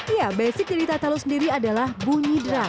iya basic diri tatalu sendiri adalah bunyi drum